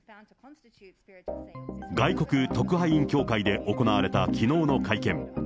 外国特派員協会で行われたきのうの会見。